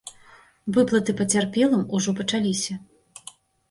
Выплаты пацярпелым ужо пачаліся.